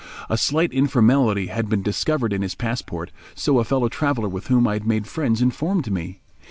A slight informality had been discovered in his passport, so a fellow traveller with whom I had made friends informed me.